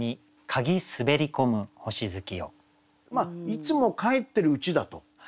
いつも帰ってるうちだと。